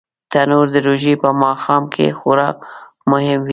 تنور د روژې په ماښام کې خورا مهم وي